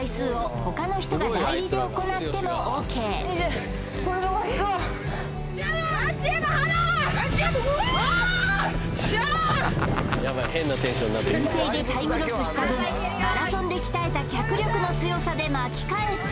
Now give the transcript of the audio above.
おーうんていでタイムロスした分マラソンで鍛えた脚力の強さで巻き返す